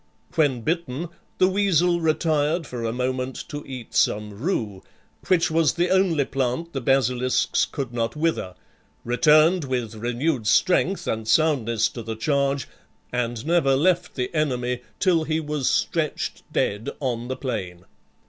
When bitten, the weasel retired for a moment to eat some rue, which was the only plant the basilisks could not wither, returned with renewed strength and soundness to the charge, and never left the enemy till he was stretched dead on the plain.